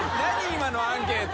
今のアンケート。